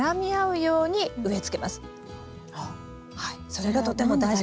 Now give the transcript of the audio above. それがとても大事。